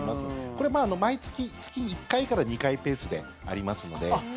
これ毎月、月１回から２回ペースでありますので。